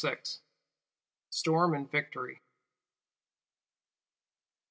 VI. Storm and Victory.